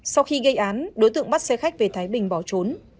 sau khi gây án đối tượng bắt xe khách về thái bình bỏ trốn